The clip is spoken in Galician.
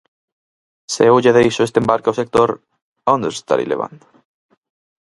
Se eu lle deixo este embarque ao sector, ¿a onde os estarei levando?